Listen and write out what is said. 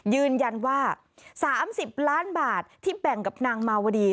ยืนยันว่า๓๐ล้านบาทที่แบ่งกับนางมาวดี